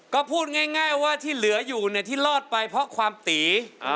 ก็พูดง่ายว่าที่เหลืออยู่เนี่ยที่รอดไปเพราะความตี